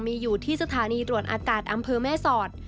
มีอยู่ที่สถานีตรวจอากาศอำเภอแม่สอด